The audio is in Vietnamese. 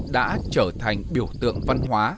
đã trở thành biểu tượng văn hóa